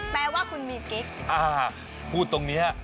แปลว่าคุณมีกิ๊กห่อห่อพูดตรงนี้อย่างไร